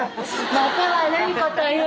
また悪いこと言う！